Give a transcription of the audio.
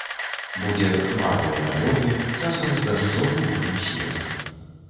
Будзе хмарнае надвор'е, часам з дажджом і мокрым снегам.